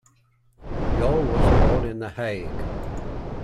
Jol was born in The Hague.